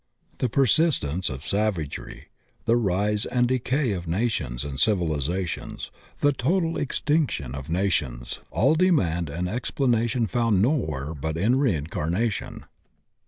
The persistence of savagery, the rise and decay of nations and civilizations, the total extinction of nations, all demand an explanation found nowhere but in rein carnation.